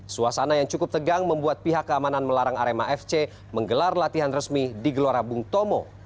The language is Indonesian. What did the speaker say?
suasana yang cukup tegang membuat pihak keamanan melarang arema fc menggelar latihan resmi di gelora bung tomo